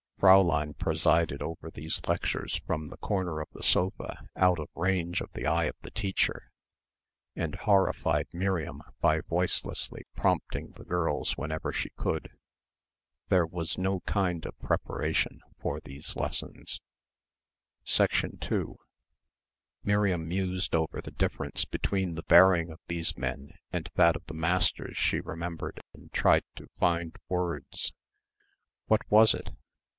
Fräulein presided over these lectures from the corner of the sofa out of range of the eye of the teacher and horrified Miriam by voicelessly prompting the girls whenever she could. There was no kind of preparation for these lessons. 2 Miriam mused over the difference between the bearing of these men and that of the masters she remembered and tried to find words. What was it?